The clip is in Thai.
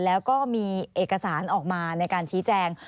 แล้วก็มีเอกสารออกมาในการชี้แจง